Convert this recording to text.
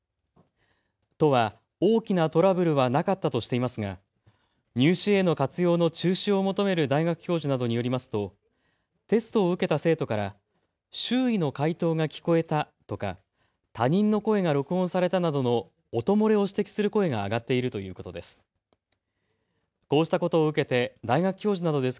都は大きなトラブルはなかったとしていますが入試への活用の中止を求める大学教授などによりますとテストを受けた生徒から周囲の解答が聞こえたとか他人の声が録音されたなどの音漏れを指摘する声が上がっているということです。